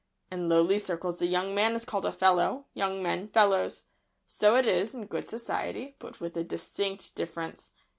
In lowly circles a young man is called "a fellow"; young men "fellows." So it is in good society, but with a distinct difference.